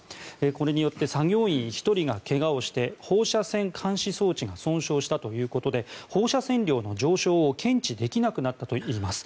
これによって作業員１人がけがをして放射線監視装置が損傷したということで放射線量の上昇を検知できなくなったといいます。